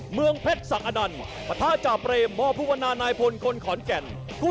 ๒เมืองเพชรสักอดันปฏจาเปรมมภนายพลคนขอนแก่น